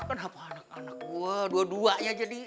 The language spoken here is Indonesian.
kenapa anak anak gue dua duanya jadi